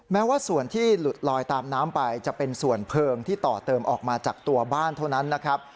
แม้ว่าส่วนที่หลุดลอยตามน้ำไปจะเป็นส่วนเพลิงที่ต่อเติมออกมาจากตัวบ้านเท่านั้นนะครับ